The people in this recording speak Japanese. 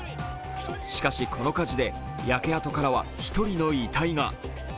しかし、この火事で焼け跡からは１人の遺体が。